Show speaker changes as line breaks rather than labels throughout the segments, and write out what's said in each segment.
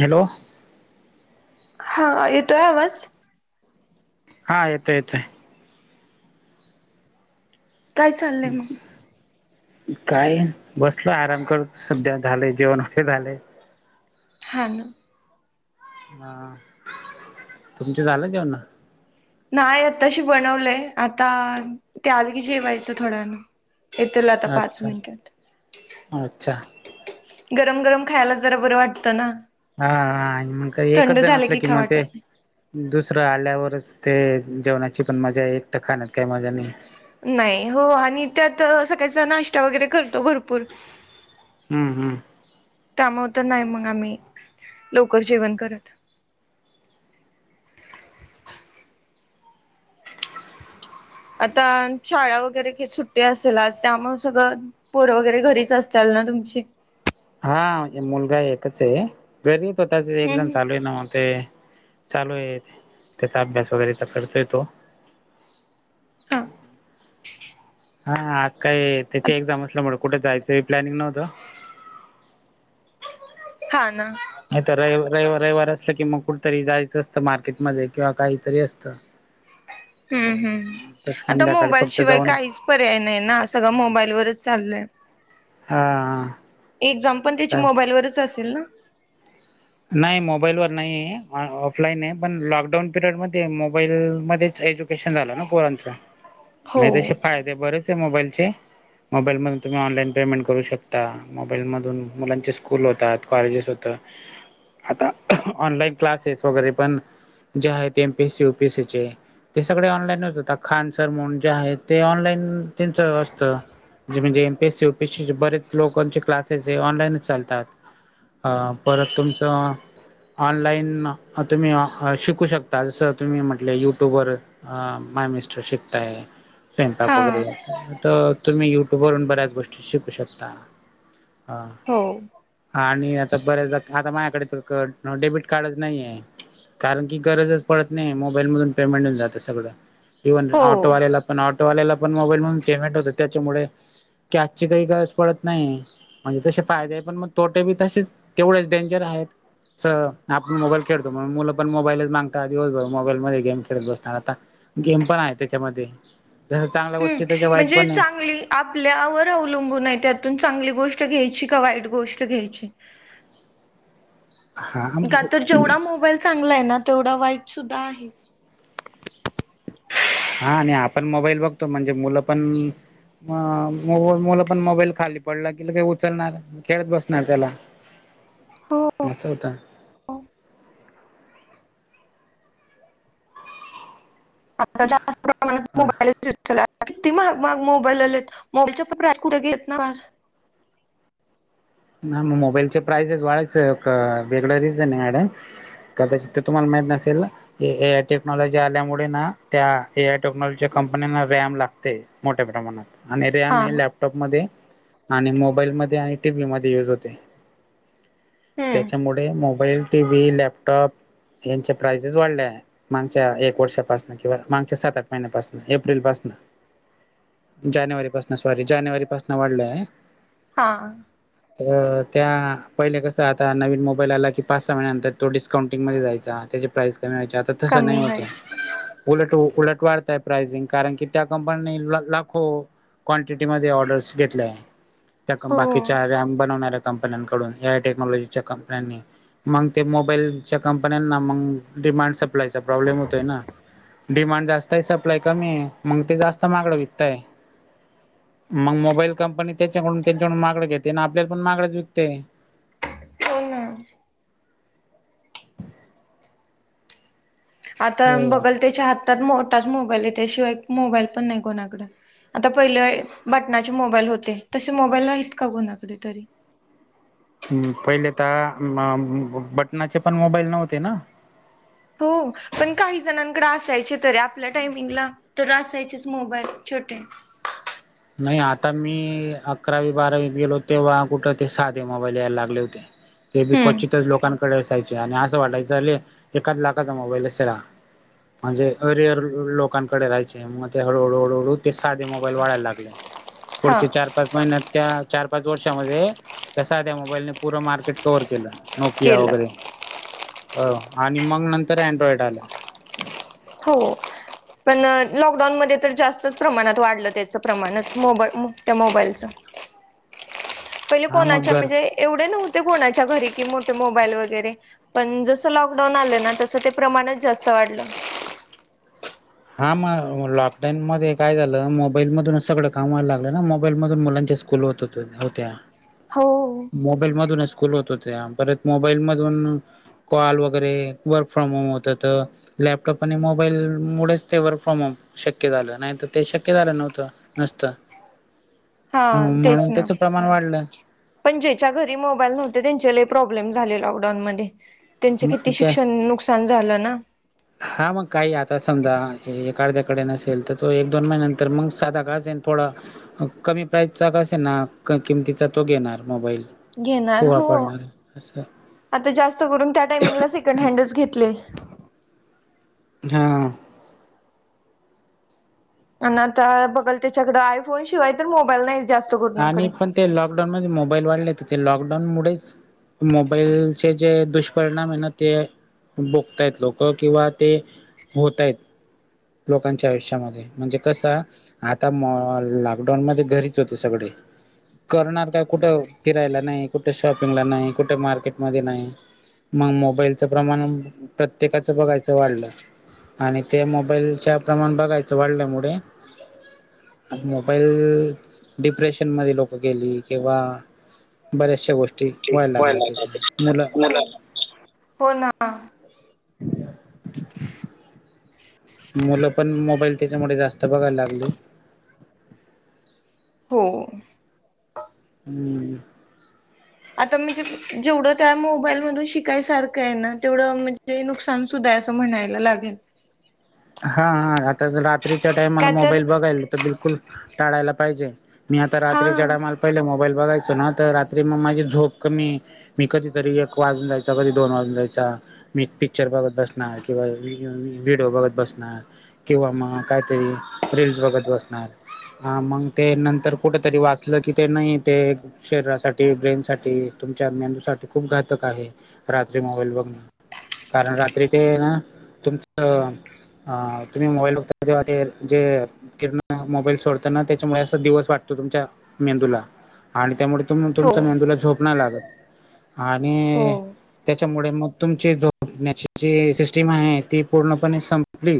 Hello!
हा येत आवज!
हा येत येतंय.
काय चाललंय मग.
काय बसलोय आराम करत सध्या झाले जेवणे झाले.
हाा ना?
हा तुमच झालं जेवणा
नाही आताशी बनवलंय आता ते, आलगी जेवायचं थोडंना. येतील आता पाच
अच्छा
मिनिटात.
अच्छा
गरम गरम खायला जरा बरं वाटतं ना.
हा हा मग का एकच
थंड
जण
झालं
असलं
की खाऊ
किंवा ते
वाटत
दुसरं आल्यावरच ते जेवणाची, पण मजा एकटं खाण्यात काही मजा नाही.
नाही हो आणि त्यात, सकाळचा नाश्ता वगैरे करतो भरपूर.
हम्म हम्म.
त्यामुळे तर नाही मग आम्ही लवकर जेवण करत. आता शाळा वगैरे सुट्टी असेल, त्यामुळे सगळं. पोर वगैरे घरीच असतल, ना तुमची.
हा मुलगा एकच आहे गरीत होता ते एक जण
हम्म
चालू आहे नव्हते चालू आहे, त्याचा अभ्यास वगैरेचा करतोय तो
हां.
हा आज काय त्याची एक्झाम असल्यामुळे, कुठे जायचं प्लॅनिंग नव्हतं.
हा ना.
नाही तर रवि रवि रविवार असलं कि, मग कुठेतरी जायचं असतं मार्केटमध्येध्ये किंवा काहीतरी असतं. ह.
हम्म हम् आता मोबाईल
फक्त
शिवाय
जाऊन
काहीच पर्याय नाही ना सगळं मोबाईल वरच चालय.
हा
एक्झाम पण त्याची
काय
मोबाईल वरच असेल ना?
नाही मोबाईल वर नाही आहे ऑफलाईन आहे पण लॉकडाऊन पिरियड मध्ये मोबाईलमध्येच एजु झा ना पोरच
हो
म त्यासे फायदे बरेच आहे, मोबाईलचे मोबाईलमधून तुम्ही ऑनलाईनेमेंट करू शकता. मोबाईल मधून मुलांचे स्कूल होतात कॉलेजेस होत. आता ऑनलाईन क्लासेस वगैरे, पण जे आहे ते एमपीएससी युपीएससी चे. ते सगळे ऑनलाईनच होत खानसर म्हून जे आहे ते, ऑनलाईन त्यांचं असतं. जे म्हजे एमपीएसी युपीएसीचे बरेच लोकांचे, क्सासेस ऑनलाईनच चालतात. अं.. परत तुमचं. ऑनलाईन तुम्ही शिकू शकता, जसं तुम्ही म्हटले युट्यूबवर. हा माय मिस्टर शिकताय
हा
स्वयंपाक वगैरे. तर तुम्ही युट्यूब वरून बऱ्याच गोष्टी शिकू शकता. हां..
हो.
आणि आता बरेच आता, माझ्याकडे डेबिट कार्डच नाही ये. कारण की गरजच पडत नाही, मोबाईल मधून पेमेंट जातं सगळं. दोन
हो.
ऑटोवालेला पण, ऑटोवाल्याला पण मोबाईल म्हणून पेमेंट होत तेच्यामुळे. की आजची काही गरज पडत नाही, म्हणजे तसे फायदे आहे पण मग तोटे बी तसेच तेवढेच. डेंजर आहेत. सर्व आपण मोबाईल खेळतो म्हणून मुलं पण, मोबाईलच मागता दिवसभर मोबाईल मध्ये गेम खेळत बसणार आता. गेम पण आहे तेच्यामध्ये, जस चांगल्या
हम्म
गोष्टी तसा वाईट
म्हणजे
पण आहे.
चांगली आपल्यावर अवलंबून आहे त्यातून चांगली गोष्ट घ्यायची, का वाईट गोष्ट घ्यायची.
हा
का तर जेवढा मोबाईल चांगला आहे ना, तेवढा वाईट सुद्धा आहे.
हां. आणि आपण मोबाईल बघतो. म्हणजे मुलं पण, मग मो मुला पण मोबाईल खाली पडला की लगेच उचलणार. खेळत बसणार त्याला,
हो.
असं होतं.
[unintelligible] आता जास्त प्रमाणात
हा
मोबाईल. किती महाग मग मोबाईल आलेत, मोबाईलच्या पण प्रा कुठे घेत ना.
नाही मग मोबाईलचे प्राईस वाढयच, वेगळं रिझन आहे माझ्याकडं. कदाचित ते तुम्हाला माहित नसेल ना. ए आय टेक्नॉलॉजी आल्यामुळे ना, त्या एआय टेक्नॉलॉजीच्या कंपनी्यांना रॅम लागते. मोठ्या प्रमाणात आणि रॅम
हा
आहे, लॅपटॉप मध्ये आणि मोबाईल मध्ये आणि टीव्ही मध्ये. [unintelligible]
हम्म
तेच्यामुळे मोबाईल टीव्ही लॅपटॉप. हेचे प्राइसेस वाढले. मागच्या एक वर्षापासनं किंवा मागच्या सात आठ महिन्यापासनं, एप्रिलपाासनं. जानेवारी पाासून सॉरी, जानेवारी पाासून वाढलंय.
हां..
तर त्या पहिले कसं आता नवीन मोबाईल आला की, पाच सहा महिन्यानंतर तो डिस्काउंटिंग मध्ये जायचा त्यांच्या. प्राईस कमी व्हायची आता, तसं नाही
कमी
होतंये.
व्हायची.
उलट उलट वाढतय प्रायसिंग, कारण की त्या कंपनीनी लाखो. क्वांटिटी मध्ये ऑर्डर्स घेतले, त्या
हो
बाकीच्या. रॅम बनवणाऱ्या कंपन्यांकडून, ह्या टेक्नॉलॉजीच्या कंपन्यांनी. मग ते, मोबाईलच्या कंपन्यांना मगं. डिमांड सप्लाय चा प्रॉब्लेम होतोय ना, डिमांड जास्त. काही सप्लाय कमी आहे, मग ते जास्त महागडं विकताय. मग मोबाईल कंपनी तेच्याकडून त्यांच्याकडून मागडं घेते ना, आपल्याला पण मागडंच विकते.
हो ना. आता बघाल त्याच्या हातात मोठाच मोबाईल आहे, त्याशिवाय मोबाईल पण नाही कोणाकड. आता पहिले बटनाचे मोबाईल होते तसे, मोबाईल आहेच का कोणाकडे तरी.
हम्म पहिले तर अ ह बटनाचे पण मोबाईल नव्हते ना.
हो, पण काही जणांकडे असायचे तरी आपल्या टायमिंगला. तर असायचेच मोबाईल छोटे.
नाही आता मी अकरावी बारावीत गेलो, तेव्हा कुठं ते साधे मोबाईल यायला लागले होते. ते बी
हम्म
क्वचितच लोकां डे असायचे आणि असं वाटायचं झा एकाच लाखाचा मोबाईल असेला म्हणजे अरिअर लोकांकडे राहायचे मग ते हळूहळू हळूहळू ते साधे मोबाईल वाढायला लागत
हा
पुढचे चार. पाच महिन्यात त्या चार पाच वर्षामध्ये, त्या साध्या मोबाईलने पूरं मार्केट कव्हर केलं. नोकिया
केलं
वगैरे हो आणि मग नंतर अँड्रॉइड आलं.
हो. पणलॉकडाऊनमध्ये तर जास्तच प्रमाणात वाढलं त्याचं प्रमाणच मोबा त्या मोबाईलचं.
[inaudible] [unintelligible]
पहिले कोणाच्या
घर
म्हणजे एवढे नव्हते कोणाच्या घरी की मोठे मोबाईल वगैरे. पण जसं लॉकडाऊन आलं ना तसं ते प्रमाणच जास्त वाढलं.
हा मग लॉकडाऊन मध्ये काय झालं मोबाईलमधूनच सगळं कामा व्हायला लागलं ना मोबाईल मधून मुलांच्या कुल होत हो होत्या.
हो.
मोबाईल मधूनच स्कूल होत होते परत मोबाईल मधून कॉल वगैरे वर्क फ्रॉम होम होतं तर लॅपटॉप आणि मोबाईलमुळेच ते वर्क फ्रॉम होम शक्य झालं नाहीत ते शक्य झालं नव्हतं नसतं.
हा तेच
म्हणून
ना?
त्याचं प्रमाण वाढलं
पण ज्याच्या घरी मोबाईल नव्हते त्यांच्या प्रॉब्लेम झाले लॉकडाऊनमध्ये. त्यांच
मग
किती
त्या
शिक्षण नुकसान झालं ना?
हा मग काही आता समजा एखाद्याकडे नसेल तर, तो एक दोन महिन्यानंतर मग साधा घास जाईल थोडं. कमी प्राईजचा का असना किमतीचा तो घेणार मोबाईल.
घेणार
तो
हो.
वापरणार आहे असं
आता जास्त करून, त्या टायमिंगला सेकंड हँडच घेतले.
हा.
आणि आता बघल त्याच्याकड आयफोन शिवाय तर मोबाईल नाही. जास्त
आणि
कोणाकडे
पण ते लॉकडाऊन मध्ये मोबाईल वाढले तर ते लॉकडाऊन मुळेच मोबाईलचे जे दुष्परिणाम आहे ना ते बोकतायत लोक किंवा ते होतायत. लोकांच्या आयुष्यामध्ये म्हणजे कसं आता म लॉकडाऊन मध्ये घरीच होते. ते सगळे. करणार का कुठं फिरायला नाही कुठे शॉपिंगला नाही कुठे मार्केटमध्ये नाही. मग मोबाईलचं प्रमाण प्रत्येकाचं बघायचं वाढलं. आणि ते मोबाईलच्या प्रमाण बघायचं वाढल्या मु म मोबाईल डिप्रेशन मध्ये लोक गेली किंवा बऱ्याचशा गोष्टी
ठीक
व्हायला लागलं, त्याच्या मुलं
होना.
मुलं पण मोबाईल त्याच्यामुळे जास्त बघायला लागले.
हो.
हम्म.
आता म्हणजे जेवढं त्या मोबाईल मधून शिकायसारखं आहे ना तेवढं म्हणजे नुकसान सुधाय असं म्हणायला लागेल.
ह [inaudible] हा हा आता रात्रीच्या टाइमाला
का तर
मोबाईल बघायला, तर बिलकुल टाळायला पाहिजे. मी आता
हा
रात्रीच्या टामाला पहिले, मोबाईल बघायचो ना तर रात्री मग माझी झोप कमी. मी कधीतरी एक वाजून जा्याचा कधी दोन वाजून जायचा. मी पिक्चर बघत बसणार, किंवा व्हडिओ बघत बसणार. किंवा मग काहीतरी रीलल्स बघत बसणार. हा मग ते नंतर कुठेतरी वाचलं कि ते नाही ते शरीरासाठी ब्रेन साठी, तुमच्या्ंदू साठी खूप घातक आहे रात्री मोबाईल बघण. कारण रात्री ते ना तुमच अ तुम्ही मोबाईलवर बगता तेव्हा ते जे किरन मोबाईल सोडताना त्याच्यामुळे असा दिवस वाटतो तुमच्या मेंदूला आणि त्यामुळे तुम्ही
हो
तुमच्या मेंदूला झोप नाही लागत आणि
हो
त्याच्यामुळे मग तुमचे झोपण्याची जी सिस्टीम आहे ती पूर्णपणे सम ली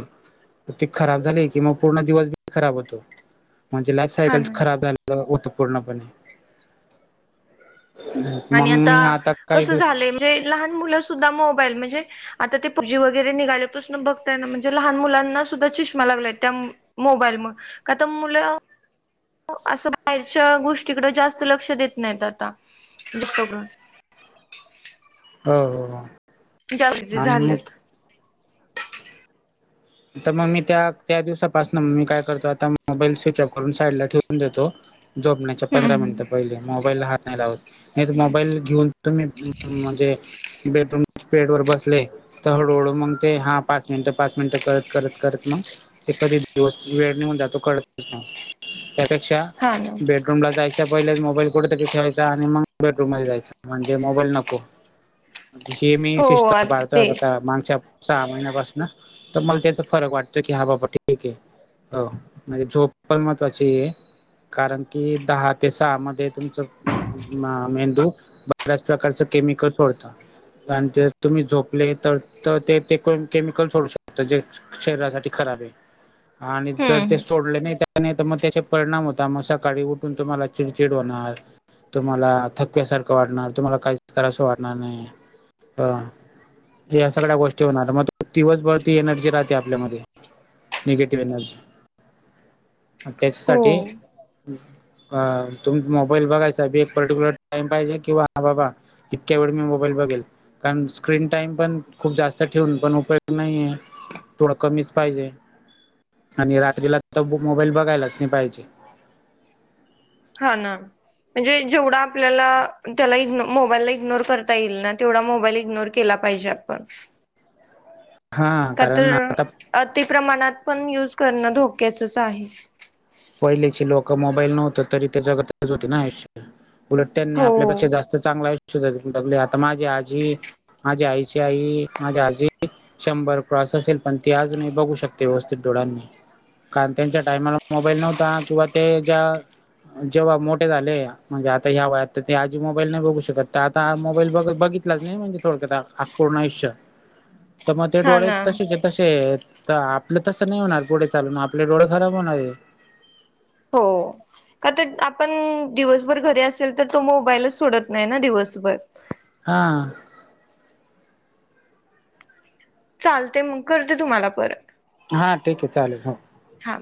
ती खराब झाली कि मग पूर्ण दिवस बी खराब होतो म्हणजे लाईफ
हा
सायकल
ना
खराब झाल होत पूर्णपणे मग मी आता काय दिवस
ते लहान मुलं सुुद्धा मोबाईल म्हणजे. आता ते पबजी वगैरे निघालेपासन बघताय ना म्हणजे लहान मुलांना सुद्धा चष्मा लागलाय त्या मोबाईलमुळं का तर मुलं असं बाहेरच्या गोष्टीकड जास्त लक्ष देत नाहीत आता दे सोडून
हो, हो, हो
जास्ती
आणि मग
झालेत
तर मी त्या दिवसापासून मी काय करतो आता मोबाईल स्विच ऑफ करून साईडला ठेवून देतो. झोपण्याच्या
हम्म
पंधरा
हम्म
मिनटं पहिले मोबाईलला हात नाही लावत नाही तर मोबाईल घेऊन तुम्ही म्हणजे बेडरूम बेड वर बसले तर हळूहळू मगते हा पाच मिनिट, पाच मिनिट करत, करत, करत मग ते कधी दिवस वेळ निघून जातो कळतच नाही त्यापेक्षा
हा ना
बे रूम ला जायच्या पहिलेच मोबाईल कुठेतरी ठेवायचा आणि मग बेडरूम मध्ये जायच म्हणजे मोबाईल नको ही मी शिस्त
हो
पाळतोय आता
तेच
काय मागच्या सहा महिन्यापासून तर मला त्याचा फरक वाटतो की हा बाबा ठीक आहे हो म्हणजे झोप पण महत्त्वाची आहे कारण की दहा ते सहा मध्ये तुमच म मेंदू बऱ्याच प्रकारच केमिकल सोडता आणि ते तुम्ही झोपले तर ते कोण केमिकल सोडू शक तर ते शरीरासाठी खराब आहे. आणि
हम्म
जर ते
हम्म
सोडले नाही नाही तर त्यांनी मग त्याचे परिणाम होता मग सकाळी उठून तुम्हाला चिडचिड होणार तुम्हाला थकल्या सारखं वाटणार तुम्हाला काहीच करावसचं वाटणार नाही. हा या सगळ्या गोष्टी होणार मग दिवसभर ती एनर्जी राहते आपल्यामध्ये निगेटिव्ह एनर्जी आणि
हो
त्याच्यासाठी अ तुम्ही मोबाईल बघाय साठी एक पर्टिक्युलर टाइम पाहिजे किंवा हा बाबा इतक्या वेळ मी मोबाईल बघेल कारण स्क्रीन टाइम पण खूप जास्त ठेवून पण उपयोग नाहीये. थोडं कमीच पाहिजे आणि रात्रीला तर मोबाईल बघायलाच नाही पाहिजे
हा ना म्हणजे जेवढा आपल्याला त्याला मोबाईलला इग्नोर मोबाईलला इग्नोर करता येईल ना तेवढा मोबाईल इग्नोर केला पाहिजे आपण
हा
का
कारण
तर
आता
अतिप्रमाणात पण युज करणं धोक्याचच आहे
पहिल्याची लोक मोबाईल नव्हत तरी ते जगतच होती ना आयुष्य उलट त्यांनी
हो
आपल्यापेक्षा जास्त चांगलं आयुष्य जगले आता माझी आजी माझी आईची आई माझी आजी शंभर क्रॉस असेल पण ती अजून बघू शकते व्यवस्थित डोळांनी कारण त्यांच्या टायमाला मोबाईल नव्हता किंवा ते ज्या जेव्हा मोठे झाले म्हणजे आता ह्या वयात ते आजी मोबाईल नाही बघू शकतात आता मोबाईल ब बघितलाच नाही म्हणजे थोडक्यात पूर्ण आयुष्य तर मग ते
हा
डोळे
ना
तसेच आहेत कसे आपलं तसं नाही होणार पुढे चालून आपले डोळे खराब होणार आहे.
हो का तर आपण दिवसभर घरी असेल तर तो मोबाईलच सोडत नाही ना दिवसभर.
हा
चालते मग करते तुम्हाला परत.
हा ठीक आहे चालेल हो.
हा.